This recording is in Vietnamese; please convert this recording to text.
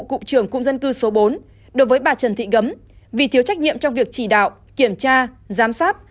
cụm trưởng cụm dân cư số bốn đối với bà trần thị gấm vì thiếu trách nhiệm trong việc chỉ đạo kiểm tra giám sát